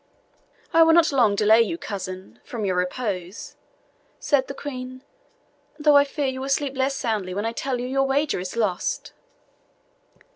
"I will not long delay you, cousin, from your repose," said the Queen, "though I fear you will sleep less soundly when I tell you your wager is lost."